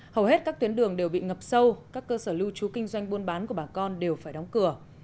hầu hết các tuyến đường đều bị ngập sâu các cơ sở lưu trú kinh doanh buôn bán của bà con đều phải đóng cửa